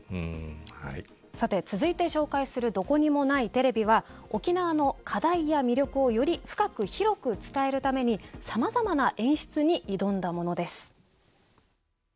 さて続いて紹介する「どこにもないテレビ」は沖縄の課題や魅力をより深く広く伝えるためにさまざまな演出に挑んだものです。